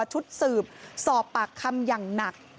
ชุดสืบสอบปากคำอย่างหนัก